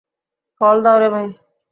Call দাও রে ভাই!